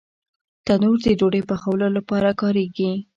تنور د ډوډۍ پخولو لپاره کارېږي